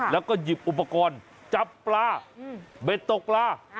แล้วก็หยิบอุปกรณ์จับปลาเบ็ดตกปลา